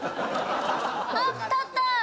あっ立った！